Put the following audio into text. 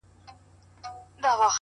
څلوېښتم کال دی;